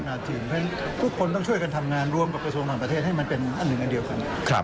เพราะฉะนั้นทุกคนต้องช่วยกันทำงานร่วมกับกระทรวงต่างประเทศให้มันเป็นอันหนึ่งอันเดียวกัน